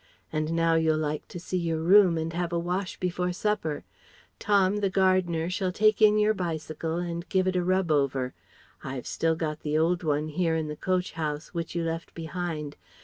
And now you'll like to see your room, and have a wash before supper. Tom, the gardener, shall take in your bicycle and give it a rub over. I've still got the old one here in the coach house which you left behind.